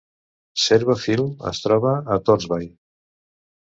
Sebra Film es troba a Torsby.